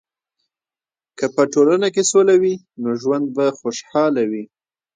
که په ټولنه کې سوله وي، نو ژوند به خوشحاله وي.